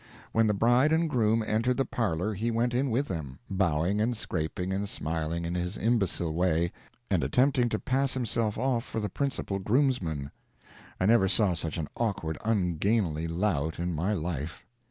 When the bride and groom entered the parlor he went in with them, bowing and scraping and smiling in his imbecile way, and attempting to pass himself off for the principal groomsman. I never saw such an awkward, ungainly lout in my life.